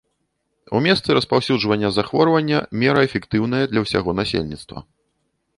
У месцы распаўсюджвання захворвання мера эфектыўная для ўсяго насельніцтва.